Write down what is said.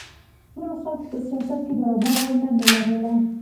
ټولو خلکو په سیاست کې برابره ونډه نه لرله.